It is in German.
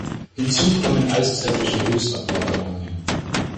Hinzu kommen eiszeitliche Lössablagerungen.